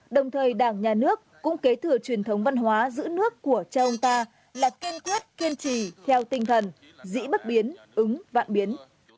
đồng thời đảng nhà nước cũng kế thừa truyền thống văn hóa giữ nước của cha ông ta là kiên quyết kiên trì theo tinh thần dĩ bất biến ứng vạn biến